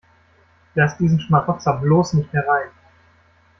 Lass diesen Schmarotzer bloß nicht herein!